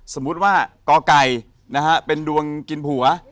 สมมุติว่ากไก่นะฮะเป็นดวงกินผัว